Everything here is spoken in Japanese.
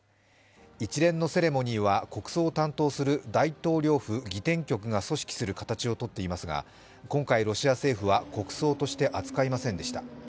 一連のセレモニーは国葬を担当する大統領府儀典局が組織する形をとっていますが、今回、ロシア政府は国葬として扱いませんでした。